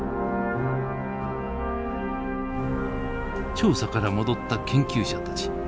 調査から戻った研究者たち。